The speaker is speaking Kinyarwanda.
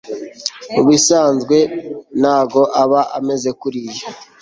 mubisanzwe ntago aba ameze kuriya